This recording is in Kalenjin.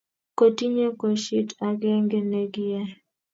Kitinye koshinet age nekiyae